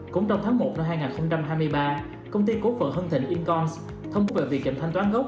cũng trong tháng một năm hai nghìn hai mươi ba công ty cố phận hưng thịnh incoms thông báo về việc kiểm thanh toán gốc